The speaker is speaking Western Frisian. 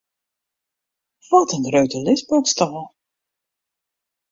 Wat in grutte lisboksstâl!